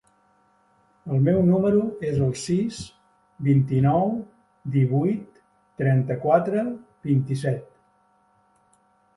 El meu número es el sis, vint-i-nou, divuit, trenta-quatre, vint-i-set.